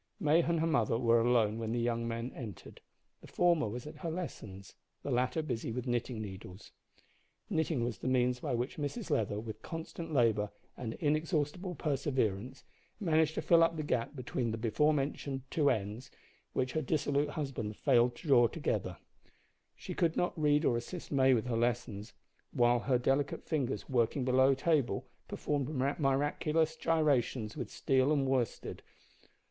May and her mother were alone when the young men entered; the former was at her lessons, the latter busy with knitting needles. Knitting was the means by which Mrs Leather, with constant labour and inexhaustible perseverance, managed to fill up the gap between the before mentioned "two ends," which her dissolute husband failed to draw together. She could read or assist May with her lessons, while her delicate fingers, working below the table, performed miraculous gyrations with steel and worsted.